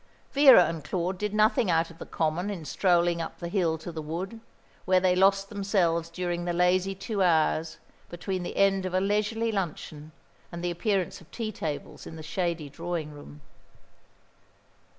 Vera and Claude did nothing out of the common in strolling up the hill to the wood, where they lost themselves during the lazy two hours between the end of a leisurely luncheon and the appearance of tea tables in the shady drawing room.